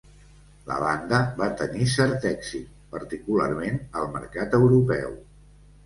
La banda va tenir cert èxit, particularment al mercat europeu.